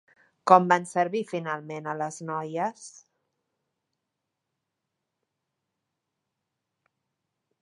Com van servir finalment a les noies?